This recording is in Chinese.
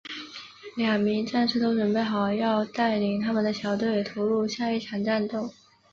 两名战士都准备好要带领他们的小队投入下一场战斗。